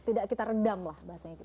tidak kita redam lah bahasanya kita